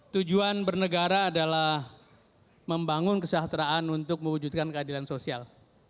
tujuan bernegara adalah membangun kesejahteraan untuk mewujudkan keadilan sosial